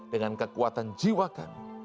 dengan kekuatan jiwa kami